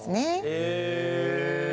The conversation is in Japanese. へえ。